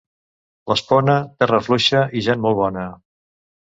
L'Espona, terra fluixa i gent molt bona.